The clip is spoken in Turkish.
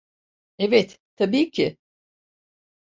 Evet, tabiî ki.